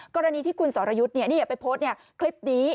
กรณีที่คุณสรยุทธ์ไปโพสต์คลิปนี้